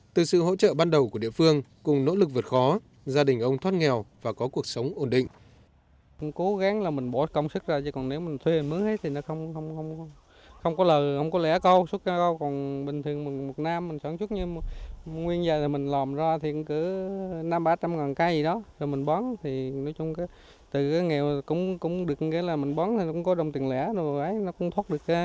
từ sự hỗ trợ ban đầu của địa phương cùng nỗ lực vượt khó gia đình ông thoát nghèo và có cuộc sống ổn định